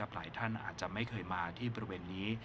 หลายท่านอาจจะไม่เคยมาที่บริเวณนี้